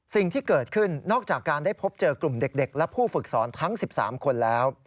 สิ่งที่เกิดขึ้นนอกจากการได้พบเจอกลุ่มเด็กและผู้ฝึกสอนทั้ง๑๓คนแล้ว